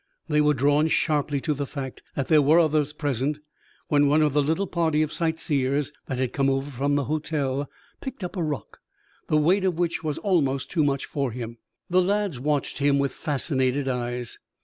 They were drawn sharply to the fact that there were others present, when one of the little party of sight seers that had come over from the hotel picked up a rock, the weight of which was almost too much for him. The lads watched him with fascinated eyes.